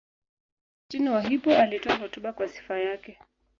Augustino wa Hippo alitoa hotuba kwa sifa yake.